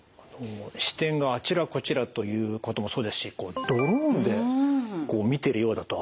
視点があちらこちらということもそうですしドローンで見てるようだと。